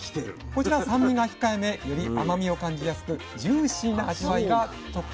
こちらは酸味が控えめより甘みを感じやすくジューシーな味わいが特徴です。